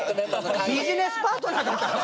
ビジネスパートナーだったんだ。